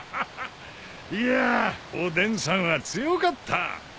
いやぁおでんさんは強かった。